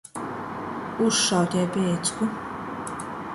Uzšaut ar peicku.